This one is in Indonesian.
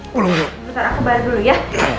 bentar aku bayar dulu ya